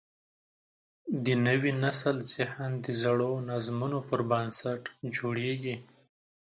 د نوي نسل ذهن د زړو نظمونو پر بنسټ جوړېږي.